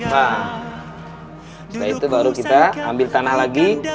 nah setelah itu baru kita ambil tanah lagi